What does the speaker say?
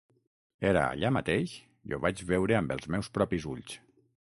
Era allà mateix i ho vaig veure amb els meus propis ulls.